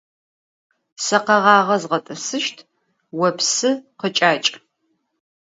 Se kheğağe zğet'ısışt, vo psı khıç'aç'.